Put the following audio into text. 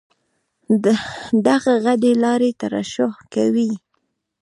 دغه غدې لاړې ترشح کوي.